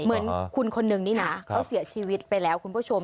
เหมือนคนนึงนี่นะเขาเสียชีวิตไปแล้วคุณผู้ชม